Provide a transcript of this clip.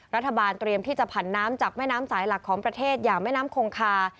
รัฐบาลเตรียมที่จะผันน้ำจากแม่น้ำสายหลักของประเทศอย่างแม่น้ำคงคา